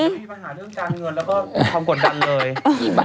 มีปัญหาเรื่องยาร์เงินแล้วก็ต้องกดดันเลย